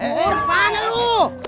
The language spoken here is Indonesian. eh mana lu